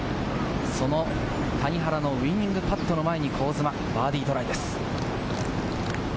その谷原のウイニングパットの前に香妻、バーディートライです。